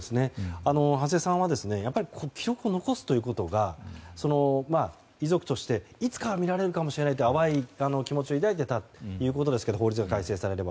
土師さんはやっぱり記録を残すということが遺族として、いつかは見られるかもしれないという淡い気持ちを抱いていたということですけど法律が改正されれば。